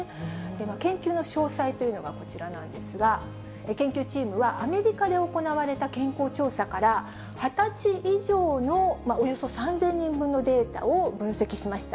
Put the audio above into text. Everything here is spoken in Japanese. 研究の詳細というのがこちらなんですが、研究チームは、アメリカで行われた健康調査から、２０歳以上のおよそ３０００人分のデータを分析しました。